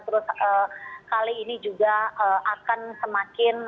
terus kali ini juga akan semakin